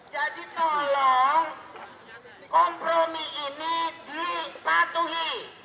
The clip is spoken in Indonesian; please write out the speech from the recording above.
jadi tolong kompromi ini dipatuhi